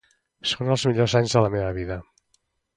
Són els millors anys de la meva vida.